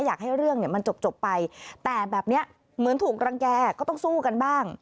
อยากให้เรื่องเนี่ยมันจบไปแต่แบบนี้เหมือนถูกรังแก่ก็ต้องสู้กันบ้าง